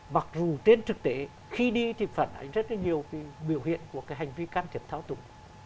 mặc dù trên thực tế khi đi thì phản ánh rất là nhiều cái biểu hiện của cái hành vi can thiệp thao túng